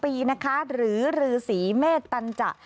๖๒ปีนะคะหรือฤษีเมตตัญจะ